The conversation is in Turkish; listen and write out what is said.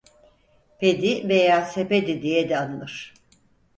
Pedi veya Sepedi diye de anılır.